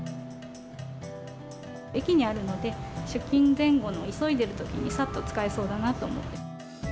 駅にあるので、出勤前後の急いでいるときに、さっと使えそうだなと思って。